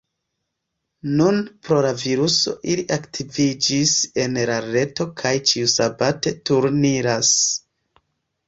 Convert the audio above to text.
Nun pro la viruso ili aktiviĝis en la reto kaj ĉiusabate turniras.